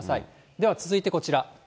では続いてこちら。